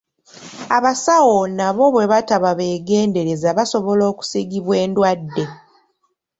Abasawo nabo bwe bataba beegenderezza basobola okusiigibwa endwadde.